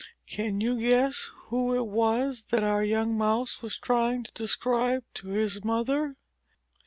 Can you guess who it was that our young Mouse was trying to describe to his mother?